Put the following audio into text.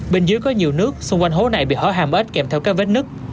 bên dưới có nhiều nước xung quanh hố này bị hỏa hàm ếch kèm theo các vết nứt